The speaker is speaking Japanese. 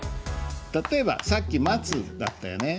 例えばさっき「待つ」だったよね。